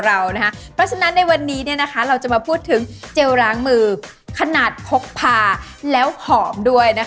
เพราะฉะนั้นในวันนี้เราจะมาพูดถึงเจลล้างมือขนาดพกพาแล้วหอมด้วย